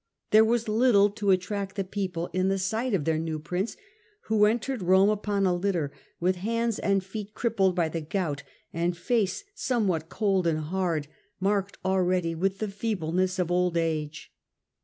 There was little to attract the people in the sight of their new prince, who entered Rome upon a litter, with hands and feet crippled by the gout, and face somewhat cold and hard, marked already with the feebleness of old age.